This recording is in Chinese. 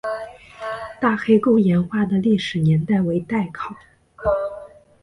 大黑沟岩画的历史年代为待考。